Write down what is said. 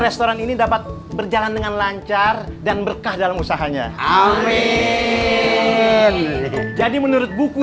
restoran ini dapat berjalan dengan lancar dan berkah dalam usahanya jadi menurut buku